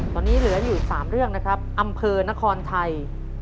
ตอนนี้เหลืออยู่๓เรื่องนะครับอำเภอนครไทย